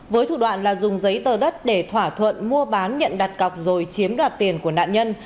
với thủ đoạn là dùng giấy tờ đất để thỏa thuận mua bán nhận đặt cọc rồi chiếm đoạt tiền của nạn nhân